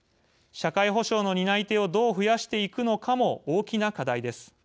社会保障の担い手をどう増やしていくのかも大きな課題です。